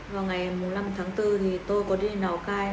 vào ngày năm tháng bốn thì tôi có đi lào cai